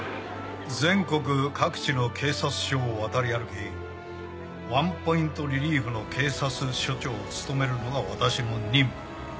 全国各地の警察署を渡り歩きワンポイントリリーフの警察署長を務めるのが私の任務。